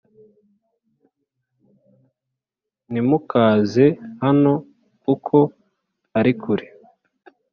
ntimukaze hano kuko ari kure